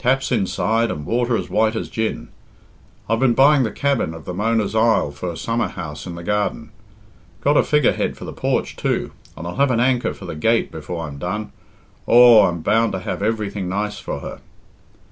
Taps inside and water as white as gin. I've been buying the cabin of the 'Mona's Isle' for a summer house in the garden. Got a figurehead for the porch too, and I'll have an anchor for the gate before I'm done. Aw, I'm bound to have everything nice for her."